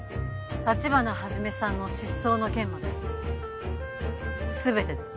立花始さんの失踪の件まで全てです。